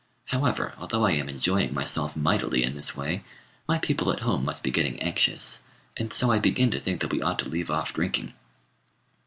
However, although I am enjoying myself mightily in this way, my people at home must be getting anxious, and so I begin to think that we ought to leave off drinking."